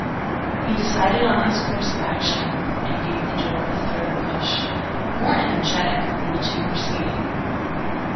He decided on his course of action, and gave the door a third push, more energetic than the two preceding.